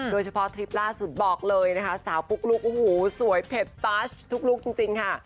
โดยเฉพาะทริปล่าสุดบอกเลยนะคะสาวปุ๊กลุ๊กโอ้โหสวยเผ็ดตาชทุกลุคจริงค่ะ